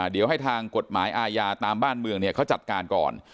เดี๋ยวให้ทางกฎหมายอาญาตามบ้านเมืองเขาจัดการก่อน